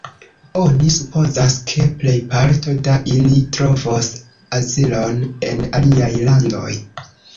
Oni supozas, ke plejparto da ili trovos azilon en aliaj landoj.